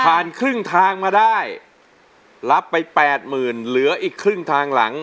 ครึ่งทางมาได้รับไปแปดหมื่นเหลืออีกครึ่งทางหลัง